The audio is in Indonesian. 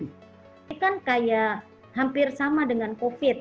ini kan kayak hampir sama dengan covid